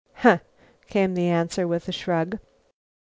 "Huh," came the answer, with a shrug.